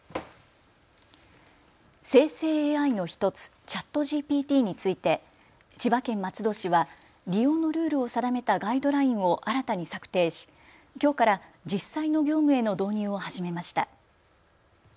生成ＡＩの１つ、ＣｈａｔＧＰＴについて千葉県松戸市は利用のルールを定めたガイドラインを新たに策定し、きょうから実際の業務への導入を始めました。